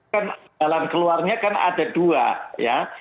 kan jalan keluarnya kan ada dua ya